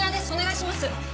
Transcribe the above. お願いします。